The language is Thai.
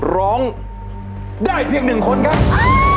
ร้องได้เพียงหนึ่งคนครับ